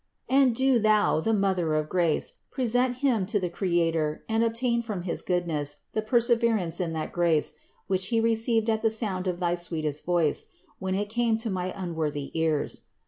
And do Thou, the Mother of grace, pre sent Him to the Creator and obtain from his goodness the perseverance in that grace, which he received at the sound of thy sweetest voice, when it came to my unworthy ears.